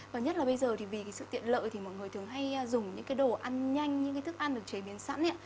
và nhất là bây giờ thì vì cái sự tiện lợi thì mọi người thường hay dùng những cái đồ ăn nhanh những cái thức ăn được chế biến sẵn